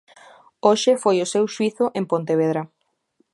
Hoxe foi o seu xuízo en Pontevedra.